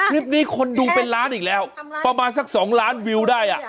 คลิปนี้คนดูเป็นล้านอีกแล้วประมาณสัก๒ล้านวิวได้อ่ะ